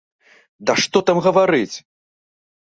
Да што там гаварыць!